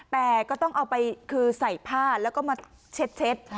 แต่ก็ต้องเอาไปคือใส่ผ้าแล้วก็มาเช็ด